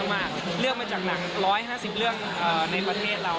หมดจากหนัง๑๕๐เรื่องในประเทศเรา